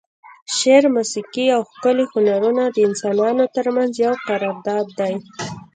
شعر، موسیقي او ښکلي هنرونه د انسانانو ترمنځ یو قرارداد دی.